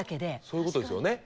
そういうことですよね。